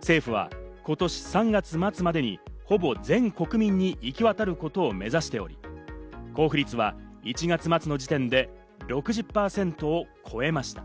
政府は今年３月末までに、ほぼ全国民に行き渡ることを目指しており、交付率は１月末の時点で６０％を超えました。